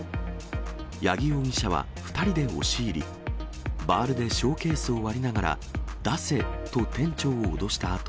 八木容疑者は２人で押し入り、バールでショーケースを割りながら、出せと店長を脅したあと、